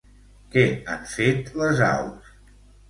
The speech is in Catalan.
Què han fet les aus?